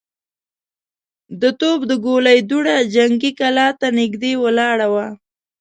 د توپ د ګولۍ دوړه جنګي کلا ته نږدې ولاړه وه.